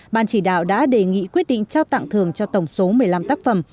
ban chỉ đạo đã đề nghị quyết định trao tặng thường cho tổng số một mươi năm tác phẩm